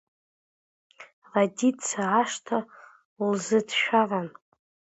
Радица ашҭа лзыҭшәаран.